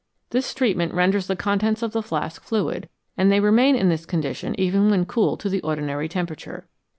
This treatment renders the contents of the flask fluid, and they remain in this condition even when cooled to the ordinary temperature.